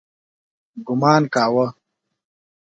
ګومان کاوه.